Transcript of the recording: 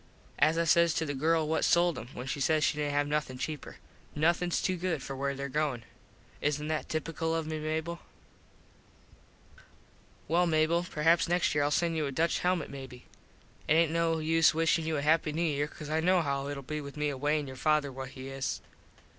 As I says to the girl what sold em when she says she didnt have nothin cheaper "Nothins to good for where there goin." Isnt that tipical of me, Mable? Well, Mable, perhaps next year Ill send you a Dutch helmit maybe. It aint no use wishin you a happy New Year cause I know how itll be with me away an your father what he is.